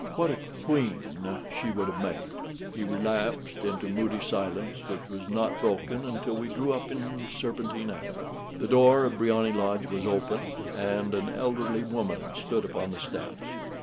What a queen she would have made!" He relapsed into a moody silence, which was not broken until we drew up in Serpentine Avenue. The door of Briony Lodge was open, and an elderly woman stood upon the steps.